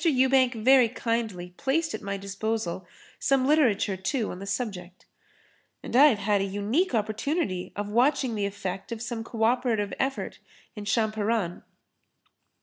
Ewbank very kindly placed at my disposal some literature too on the subject. And I have had a unique opportunity of watching the effect of some [Pg 24]co operative effort in Champaran.